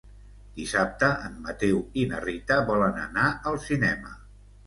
Dissabte en Mateu i na Rita volen anar al cinema.